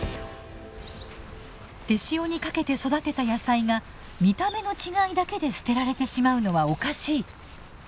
手塩にかけて育てた野菜が見た目の違いだけで捨てられてしまうのはおかしい。